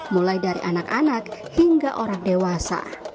mulai dari anak anak hingga orang dewasa